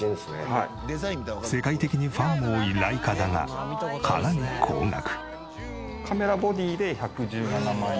世界的にファンも多いライカだがかなり高額。